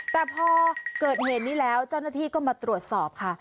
แต่พอเกิดเหตุนี้แล้วเจ้าหน้าที่ก็มาตรวจสอบค่ะ